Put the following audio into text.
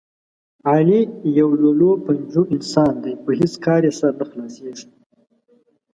علي یو للوپنجو انسان دی، په هېڅ کار یې سر نه خلاصېږي.